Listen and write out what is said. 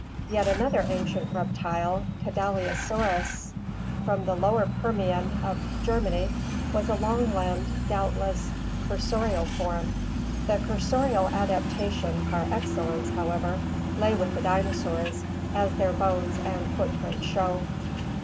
Yet another ancient reptile, Kadaliosaurus, from the lower Permian of Germany, was a long limbed, doubtless cursorial form. The cursorial adaptation par excellence, however, lay with the dino saurs, as their bones and footprints show.